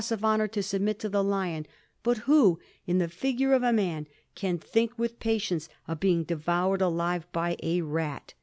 of honour to submit to the lion, but who in the figure of a man can think with patience of being devoured alive by a rat